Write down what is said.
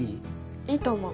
いいと思う。